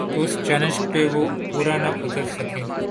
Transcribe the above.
تو اس چیلنج پہ وہ پورا نہ اتر سکے۔